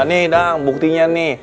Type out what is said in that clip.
nih dang buktinya nih